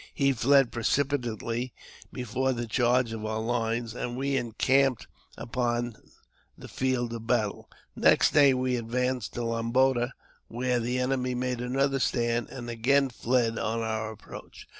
He fled precipitately before the charge of our lines, and we encamped upon the field of battle. The next day we advanced to Lamboda, where the enemy made another stand, and again fled on our approach.